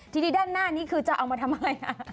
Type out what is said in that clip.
ทีนี้ด้านหน้านี้คือจะเอามาทำอะไร